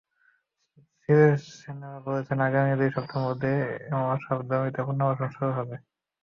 সিরিসেনা বলেছেন, আগামী দুই সপ্তাহের মধ্যে এসব জমিতে পুনর্বাসন শুরু হবে।